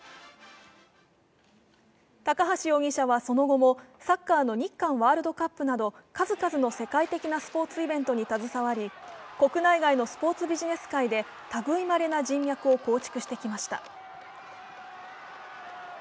高橋容疑者はその後も、サッカーの日韓ワールドカップなど数々の世界的なスポーツイベントに携わり国内外のスポーツビジネス界で類まれな人脈を構築してきました。